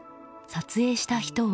撮影した人は。